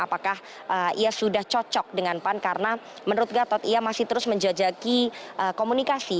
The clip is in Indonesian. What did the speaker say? apakah ia sudah cocok dengan pan karena menurut gatot ia masih terus menjajaki komunikasi